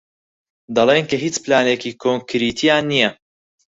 دەڵێن کە هیچ پلانێکی کۆنکریتییان نییە.